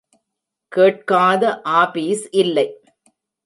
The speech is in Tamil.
கேட்காத ஆபீஸ் இல்லை.